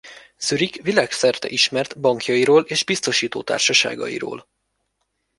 Zürich világszerte ismert bankjairól és biztosítótársaságairól.